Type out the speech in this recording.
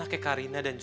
atau kamu tahu